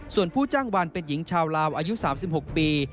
ส่วนผู้จ้างวันเป็นหญิงชาวลาวอายุ๓๖ปี